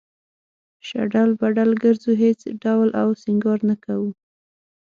شډل بډل گرځو هېڅ ډول او سينگار نۀ کوو